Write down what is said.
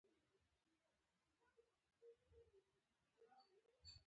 توماس جیفرسون وایي ایمانداري د هوښیارۍ پیل دی.